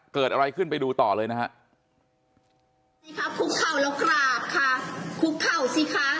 เกิดอะไรขึ้นไปดูต่อเลยนะฮะนี่ครับคุกเข่าแล้วกราบค่ะคุกเข่าสิคะ